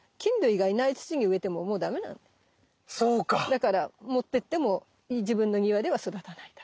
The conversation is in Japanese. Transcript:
だから持ってっても自分の庭では育たないんだ。